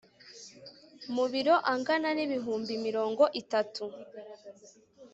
mu biro angana n ibihumbi mirongo itatu